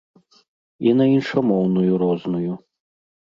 І на іншамоўную розную.